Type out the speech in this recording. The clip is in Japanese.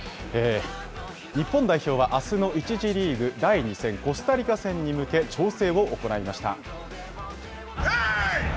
日本代表はあすの１次リーグ第２戦、コスタリカ戦に向け、調整を行いました。